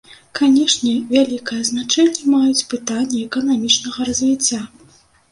Канешне, вялікае значэнне маюць пытанні эканамічнага развіцця.